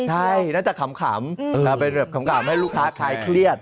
ใช่น่าจะขำไปแบบขำให้ลูกค้าคลายเครียด